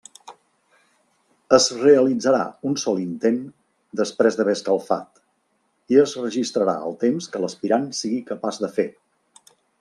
Es realitzarà un sol intent després d'haver escalfat i es registrarà el temps que l'aspirant sigui capaç de fer.